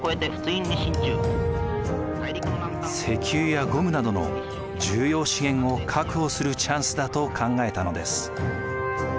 石油やゴムなどの重要資源を確保するチャンスだと考えたのです。